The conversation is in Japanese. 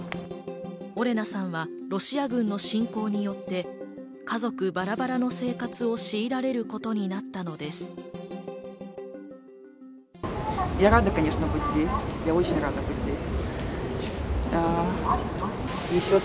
オレナさんはロシア軍の侵攻によって家族バラバラの生活を強いられることになったのです。